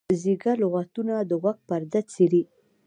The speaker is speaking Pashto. زیږه لغتونه د غوږ پرده څیري.